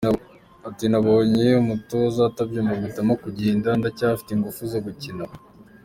Ati“Nabonye umutoza atabyumva mpitamo kugenda, ndacyafite ingufu zo gukina.